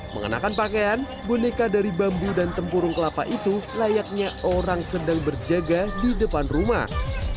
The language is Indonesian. mengenakan pakaian boneka dari bambu dan tempurung kelapa itu layaknya orang sedang berjaga di depan rumah